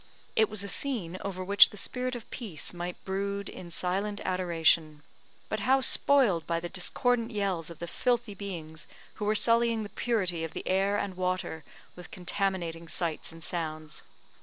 It was a scene over which the spirit of peace might brood in silent adoration; but how spoiled by the discordant yells of the filthy beings who were sullying the purity of the air and water with contaminating sights and sounds!